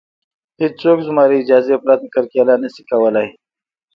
هېڅوک زما له اجازې پرته کرکیله نشي کولی